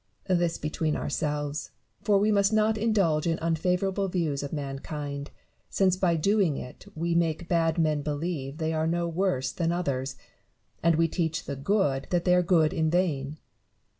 This between ourselves ; for we must not indulge in unfavourable views of mankind, since by doing it we make bad men believe that they are no worse than others, and we teach the good that they are good in vain.